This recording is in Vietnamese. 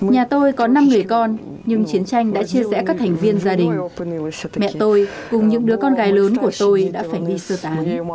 nhà tôi có năm người con nhưng chiến tranh đã chia rẽ các thành viên gia đình mẹ tôi cùng những đứa con gái lớn của tôi đã phải đi sơ tán